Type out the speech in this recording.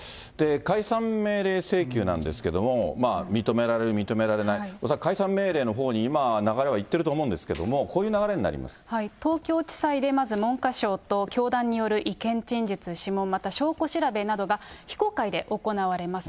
解散命令請求なんですけれども、認められる、認められない、恐らく解散命令のほうに今、流れはいっていると思うんですけれども、東京地裁でまず文科省と教団による意見陳述、諮問、また証拠調べなどが、非公開で行われます。